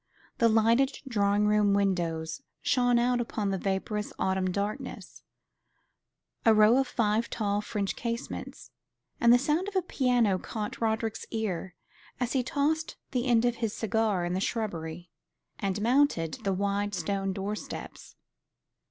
The lighted drawing room windows shone out upon the vaporous autumn darkness a row of five tall French casements and the sound of a piano caught Roderick's ear as he tossed the end of his cigar in the shrubbery, and mounted the wide stone door steps.